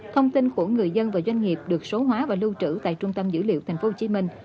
thông tin của người dân và doanh nghiệp được số hóa và lưu trữ tại trung tâm dữ liệu tp hcm